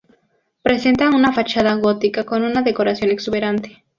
Presenta una fachada gótica con una decoración exuberante.